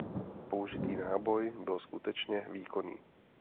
Použitý náboj byl skutečně výkonný.